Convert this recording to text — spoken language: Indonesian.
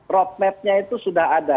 roadmapnya itu sudah ada